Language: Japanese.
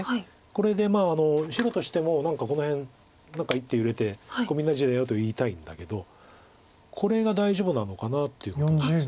これで白としてもこの辺何か１手入れてここみんな地だよと言いたいんだけどこれが大丈夫なのかなっていうことなんです。